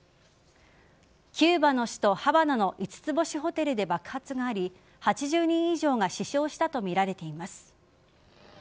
キューバの首都・ハバナの五つ星ホテルで爆発があり８０人以上が死傷したとみられています。